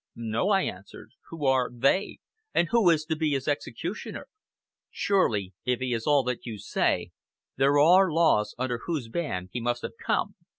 "No!" I answered. "Who are they? and who is to be his executioner? Surely, if he is all that you say there are laws under whose ban he must have come.